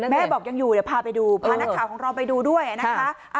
แม่บอกยังอยู่เดี๋ยวพาไปดูพานักข่าวของเราไปดูด้วยนะคะ